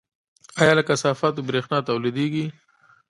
آیا له کثافاتو بریښنا تولیدیږي؟